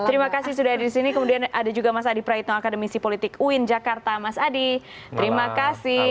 terima kasih sudah ada di sini kemudian ada juga mas adi praitno akademisi politik uin jakarta mas adi terima kasih